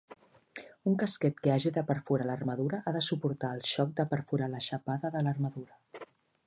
Un casquet que hagi de perforar l'armadura ha de suportar el xoc de perforar la xapada de l'armadura.